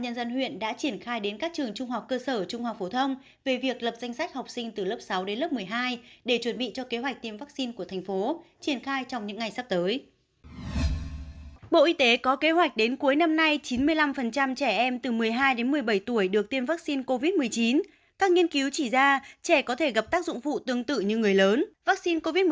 nghiên cứu từ moderna cho thấy trẻ từ một mươi hai một mươi bảy tuổi tiêm vaccine có hiệu quả và tác dụng phụ tương tự như người lớn